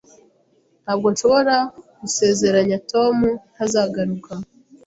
Ntabwo nshobora gusezeranya Tom ntazagaruka.